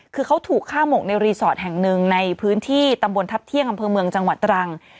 คือเขาถูกฆ่าหมกในรีสอร์ทแห่งหนึ่งในพื้นที่ตำบลทัพเที่ยงอำเภอเมืองจังหวัดตรัง